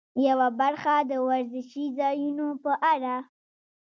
یوه برخه د وزرشي ځایونو په اړه.